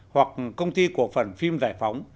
hoặc công ty cổ phần phim giải phóng